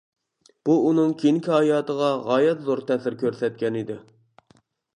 بۇ ئۇنىڭ كېيىنكى ھاياتىغا غايەت زور تەسىر كۆرسەتكەنىدى.